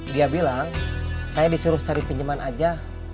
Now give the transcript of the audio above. dia bilang saya disuruh cari pinjaman aja